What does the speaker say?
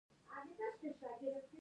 پیل د ځمکې تر ټولو لوی حیوان دی